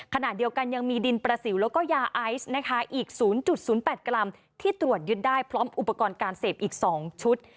ขณะเดียวกันยังมีดินประสิวแล้วก็ยาไอซ์นะคะอีก๐๐๘กรัมที่ตรวจยึดได้พร้อมอุปกรณ์การเสพอีก๒ชุด